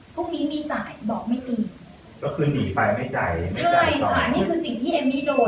พรุ่งนี้มีจ่ายบอกไม่ตีก็คือหนีไปไม่จ่ายใช่ค่ะนี่คือสิ่งที่เอมมี่โดน